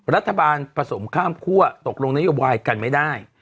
รัฐบาลผสมข้ามคั่วตกลงนโยบายกันไม่ได้